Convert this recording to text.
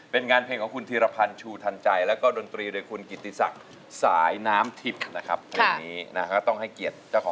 เป็นงานเพลงของคุณธีรพันธ์ชูทันใจแล้วก็ดนตรีโดยคุณกิติศักดิ์สายน้ำทิพย์นะครับเพลงนี้นะฮะ